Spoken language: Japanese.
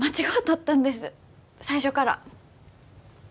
最初から。